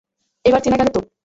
এবার চেনা গেল তো?